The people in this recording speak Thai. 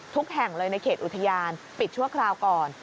แห่งเลยในเขตอุทยานปิดชั่วคราวก่อน